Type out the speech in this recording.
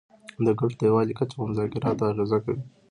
د ګټو د یووالي کچه په مذاکراتو اغیزه کوي